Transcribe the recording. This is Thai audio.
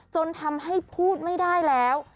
จนทำให้พูดไม่ได้แล้ว